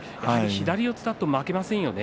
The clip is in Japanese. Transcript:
左四つだと負けません。